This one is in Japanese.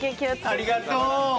ありがとう。